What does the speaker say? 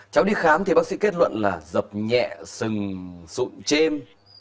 cháu đi khám thì bác sĩ kết luận là dập nhẹ sừng sụn trên